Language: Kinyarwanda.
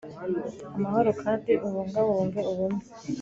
amahoro kandi ubungabunge ubumwe